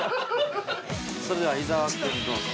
◆それでは伊沢君、どうぞ。